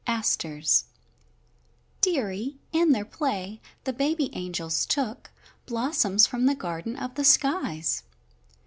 ASTERS Dearie, in their play the baby angels took Blossoms from the garden of the skies.